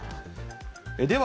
では